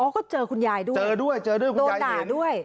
อ๋อก็เจอคุณยายด้วยเจอด้วยโดด่าด้วย